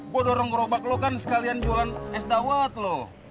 kok dorong gerobak lo kan sekalian jualan es dawet loh